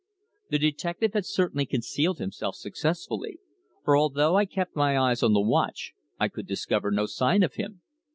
The detective had certainly concealed himself successfully, for although I kept my eyes on the watch I could discover no sign of him.